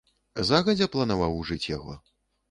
Загадзя планаваў ужыць яго?